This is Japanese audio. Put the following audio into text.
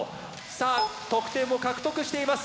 さあ得点を獲得しています